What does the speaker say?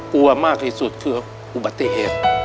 กลัวมากที่สุดคืออุบัติเหตุ